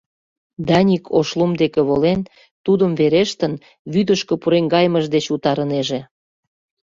Даник, Ошлум деке волен, тудым верештын, вӱдышкӧ пуреҥгайымыж деч утарынеже.